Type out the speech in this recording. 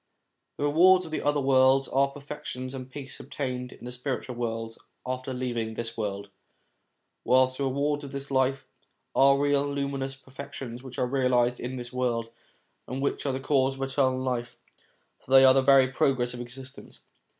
The rewards of the other world are the perfections and the peace obtained in the spiritual worlds after leaving this world; whilst the rewards of this life are the real luminous perfections which are realised in this world, and which are the cause of eternal life, for they are the very progress of existence.